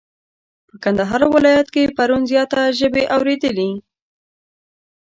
په کندهار ولايت کي پرون زياته ژبی اوريدلې.